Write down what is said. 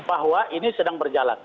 bahwa ini sedang berjalan